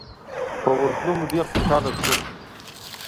په ورتلو مو ډېر خوشاله شو.